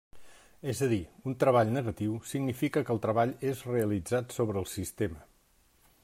És a dir, un treball negatiu significa que el treball és realitzat sobre el sistema.